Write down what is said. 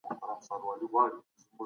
تاسو باید په خپلو لاسونو کار وکړئ.